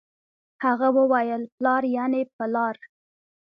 هغه وويل پلار يعنې په لار